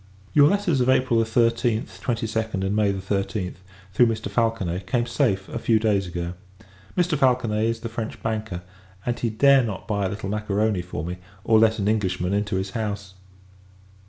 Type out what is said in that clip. Your letters of April 13th, 22d, and May 13th, through Mr. Falconet, came safe, a few days ago. Mr. Falconet is the French banker; and he dare not buy a little macaroni for me, or let an Englishman into his house.